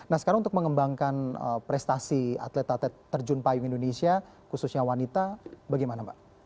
nah sekarang untuk mengembangkan prestasi atlet atlet terjun payung indonesia khususnya wanita bagaimana mbak